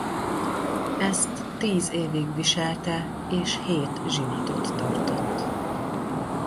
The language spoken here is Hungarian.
Ezt tíz évig viselte és hét zsinatot tartott.